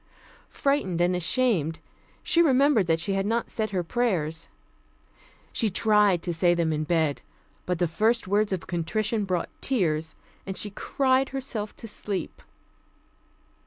Frightened and ashamed, she remembered that she had not said her prayers. She tried to say them in bed, but the first words of contrition brought tears, and she cried herself to sleep.